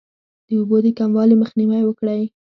د اوبو د کموالي مخنیوی وکړئ.